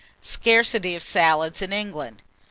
SCARCITY OF SALADS IN ENGLAND.